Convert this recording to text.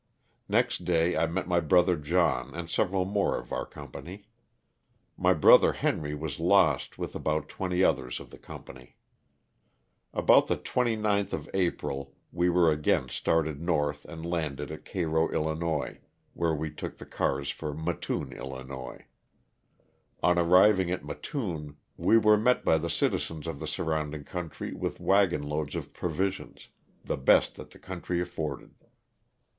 Next day I met my brother John and several more of our com pany. My brother Henry was lost with about twenty others of the company. About the 29th of April we were again started north and landed at Cairo, 111., where we took the cars for Mattoon, 111. On arriving at Mattoon we were met by LOSS OF THE SULTANA. 167 the citizens of the surrounding country with wagon loads of provisions, the best that the country afforded.